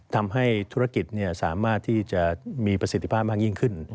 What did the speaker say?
ทำให้ธุรกิจสามารถที่จะมีประสิทธิภาพมากยิ่งขึ้น